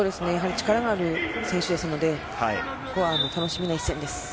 力のある選手ですのでここは楽しみな一戦です。